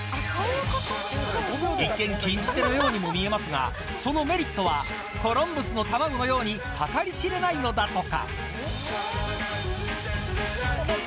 一見禁じ手のようにも見えますがそのメリットはコロンブスの卵のように計り知れないのだとか。